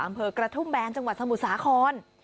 อำเภอกระทุ่มแบนจังหวัดสมุทรสาคร